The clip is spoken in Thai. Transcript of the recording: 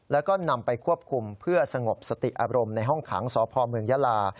แล้วก็นำไปควบคุมเพื่อสงบสติอารมณ์ในห้องขังสพเมืองยาลา